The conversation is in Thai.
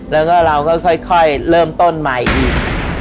แล้วก็เราก็ค่อยเริ่มต้นใหม่อีก